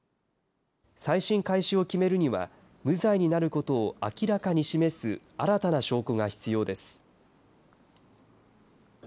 再審開始を決めるには無罪になることを明らかに示す新たな証拠が必要です。